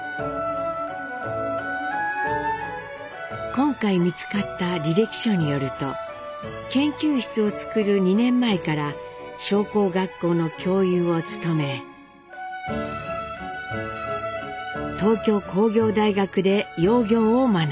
今回見つかった履歴書によると研究室をつくる２年前から商工学校の教諭を務め東京工業大学で窯業を学んでいます。